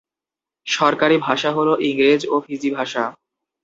সরকারি ভাষা হলো ইংরেজ ও ফিজি ভাষা।